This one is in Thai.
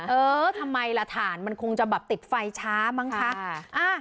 เออทำไมล่ะฐานมันคงจะแบบติดไฟช้ามั้งคะ